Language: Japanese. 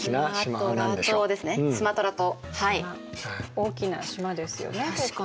大きな島ですよね結構。